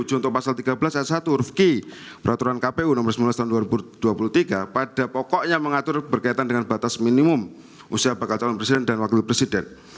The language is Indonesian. contoh pasal tiga belas ayat satu huruf g peraturan kpu nomor sembilan belas tahun dua ribu dua puluh tiga pada pokoknya mengatur berkaitan dengan batas minimum usia bakal calon presiden dan wakil presiden